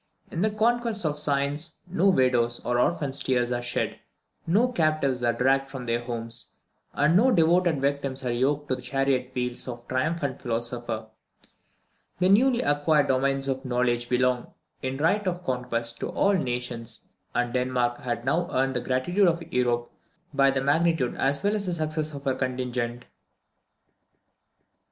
In the conquests of science no widow's or orphan's tears are shed, no captives are dragged from their homes, and no devoted victims are yoked to the chariot wheels of the triumphant philosopher. The newly acquired domains of knowledge belong, in right of conquest, to all nations, and Denmark had now earned the gratitude of Europe by the magnitude as well as the success of her contingent.